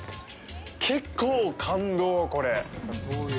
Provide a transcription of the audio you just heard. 結構感動、これ。